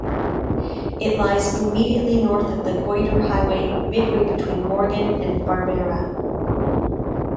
It lies immediately north of the Goyder Highway midway between Morgan and Barmera.